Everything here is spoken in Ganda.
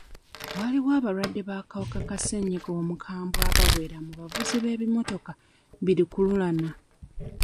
Waliwo abalwadde b'akawuka ka ssennyiga omukambwe abawera mu bavuzi b'ebimmotoka bi lukululana.